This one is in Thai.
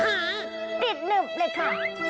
หาติดหนึบเลยค่ะ